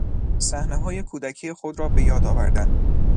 صحنههای کودکی خود را به یاد آوردن